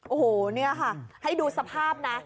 โอ้โหนี่ค่ะให้ดูสภาพนะ